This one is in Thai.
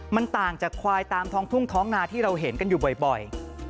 มันต่างจากควายตามท้องทุ่งท้องนาที่เราเห็นกันอยู่บ่อย